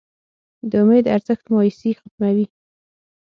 د امید ارزښت مایوسي ختموي.